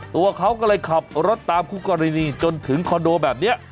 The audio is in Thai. ตัวเขาก็เลยขับรถตามคู่กรณีจนถึงคอนโดแบบนี้